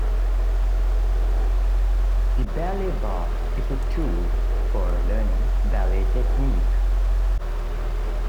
The ballet barre is a tool for learning ballet technique.